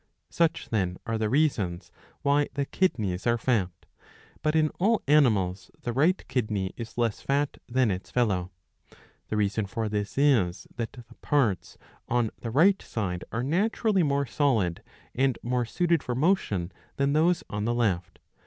Such then are the reasons why the kidneys are fat. But in all animals the right kidney is less fat than its fellow.^''' The reason for this is, that the parts on the right side are naturally more solid and more suited for motion than those on the left.